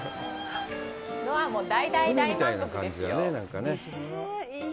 ノアも大大大満足ですよ。